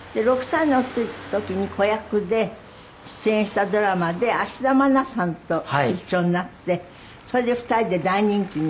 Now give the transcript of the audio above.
６歳の時に子役で出演したドラマで芦田愛菜さんと一緒になってそれで２人で大人気になった。